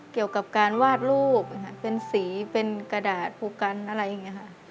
เกี่ยวกับการวาดรูปเป็นสีเป็นกระดาษผูกกันอะไรอย่างนี้ค่ะ